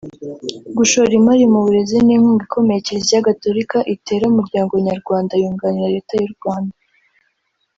Gushora imari mu burezi ni inkunga ikomeye Kiliziya Gatolika itera umuryango nyarwanda yunganira Leta y’u Rwanda